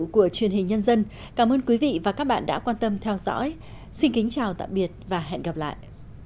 cảm ơn các bạn đã theo dõi và hẹn gặp lại